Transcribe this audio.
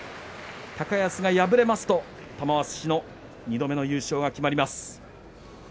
高安が敗れますと玉鷲の２度目の優勝が決まります。